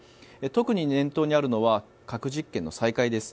特に念頭にあるのは核実験の再開です。